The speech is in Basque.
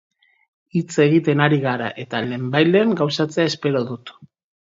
Hitz egiten ari gara eta lehenbailehen gauzatzea espero dut.